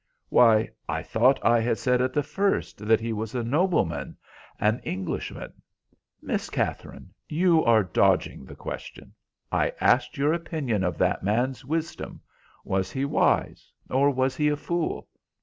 "Why, I thought I said at the first that he was a nobleman, an Englishman." "Miss Katherine, you are dodging the question. I asked your opinion of that man's wisdom. Was he wise, or was he a fool?"